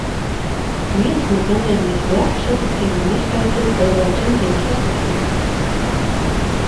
Viens no pandēmijas "blakusefektiem" ir neskaidrība par daudziem dzīves aspektiem.